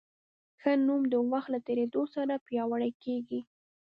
ښه نوم د وخت له تېرېدو سره پیاوړی کېږي.